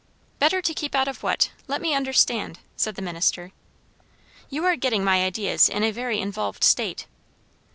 "Better to keep out of what? let me understand," said the minister. "You are getting my ideas in a very involved state."